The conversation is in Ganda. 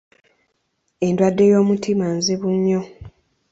Endwadde y'omutima nzibu nnyo.